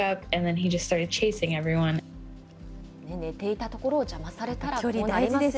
寝ていたところを邪魔されたら。